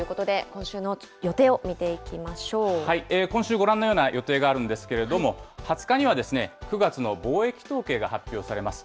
今週、ご覧のような予定があるんですけれども、２０日には９月の貿易統計が発表されます。